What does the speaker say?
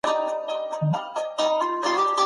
دوی د ټولنې په اړه څېړنه کوي.